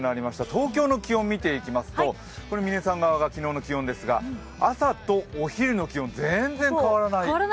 東京の気温を見ていきますと、嶺さん側が昨日の気温ですが、朝とお昼の気温が変わらない。